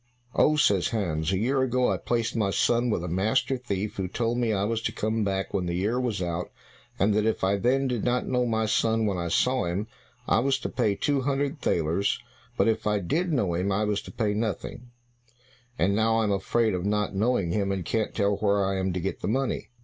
"Oh," says Hans, "a year ago I placed my son with a master thief who told me I was to come back when the year was out, and that if I then did not know my son when I saw him, I was to pay two hundred thalers; but if I did know him I was to pay nothing, and now I am afraid of not knowing him and can't tell where I am to get the money."